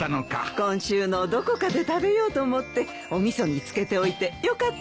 今週のどこかで食べようと思っておみそに漬けておいてよかったわ。